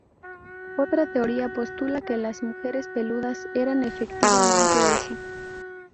Otra teoría postula que las "mujeres peludas" eran efectivamente eso.